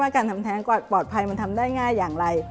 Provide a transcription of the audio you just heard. การทำแท้งปลอดภัยมันทำได้ง่ายอย่างไร